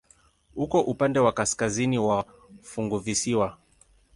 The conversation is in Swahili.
Uko upande wa kaskazini wa funguvisiwa.